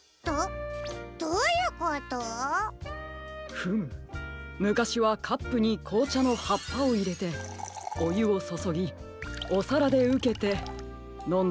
フムむかしはカップにこうちゃのはっぱをいれておゆをそそぎおさらでうけてのんでいたそうですね。